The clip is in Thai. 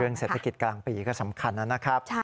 เศรษฐกิจกลางปีก็สำคัญนะครับ